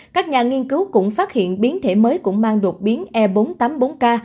các nhà nghiên cứu cũng phát hiện biến thể mới cũng mang đột biến e bốn trăm tám mươi bốn k